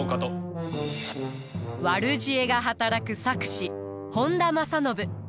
悪知恵が働く策士本多正信。